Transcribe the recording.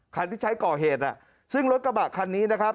คันที่ใช้ก่อเหตุซึ่งรถกระบะคันนี้นะครับ